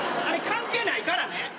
あれ関係ないからね。